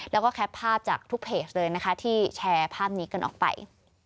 แล้วก็แคปภาพจากทุกเพจเลยนะคะที่แชร์ภาพนี้กันออกไป